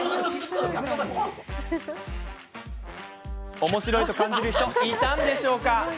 おもしろいと感じる人いたんでしょうか？